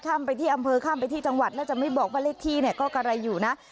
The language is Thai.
ไปที่อำเภอข้ามไปที่จังหวัดแล้วจะไม่บอกว่าเลขที่เนี่ยก็กะไรอยู่นะ